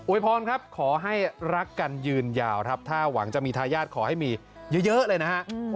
พรครับขอให้รักกันยืนยาวครับถ้าหวังจะมีทายาทขอให้มีเยอะเลยนะฮะ